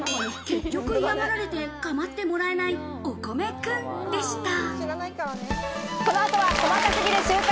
結局嫌がられて構ってもらえないおこめくんでした。